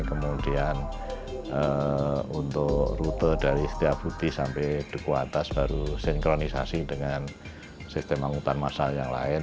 kemudian untuk rute dari setiabudi sampai duku atas baru sinkronisasi dengan sistem angkutan masal yang lain